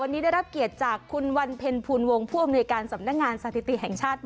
วันนี้ได้รับเกียรติจากคุณวันเผ็นภูมิวงค์